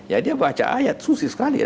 ya dia baca ayat susi sekali